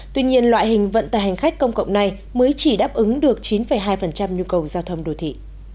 tuy nhiên loại hình vận tài hành khách công cộng này mới chỉ đáp ứng được chín hai nhu cầu giao thông đồ thị